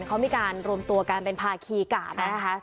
เขามีการรวมตัวกันเป็นภาคีกาดนะคะ